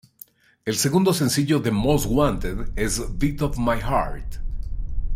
El segundo sencillo de "Most Wanted" es ""Beat of My Heart"".